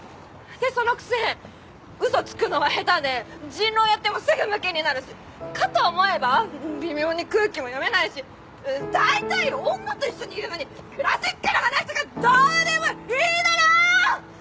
でそのくせ嘘つくのは下手で人狼やってもすぐムキになるしかと思えば微妙に空気も読めないし大体女と一緒にいるのにクラシックの話とかどうでもいいだろ！